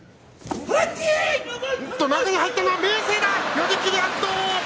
寄り切り圧倒。